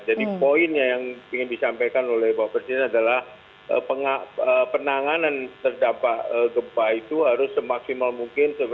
jadi poinnya yang ingin disampaikan oleh bapak presiden adalah penanganan terdampak gempa itu harus semaksimal mungkin